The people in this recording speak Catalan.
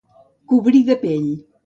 Cobrir de pell.